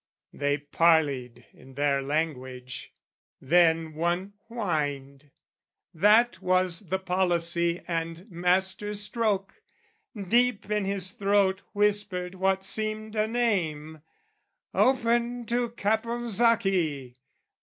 They parleyed in their language. Then one whined That was the policy and master stroke Deep in his throat whispered what seemed a name "Open to Caponsacchi!"